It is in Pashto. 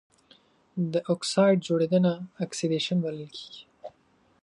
د اکسايډ جوړیدنه اکسیدیشن بلل کیږي.